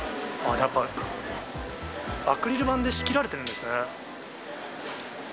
やっぱ、アクリル板で仕切られてるんですね。